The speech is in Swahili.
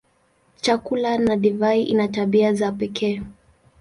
Chakula na divai ina tabia za pekee.